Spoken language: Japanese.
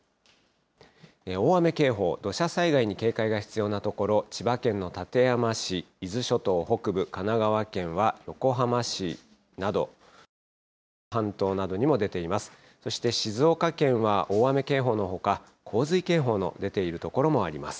大雨警報、土砂災害に警戒が必要な所、千葉県の館山市、伊豆諸島北部、神奈川県は横浜市など、三浦半島などにも出ています。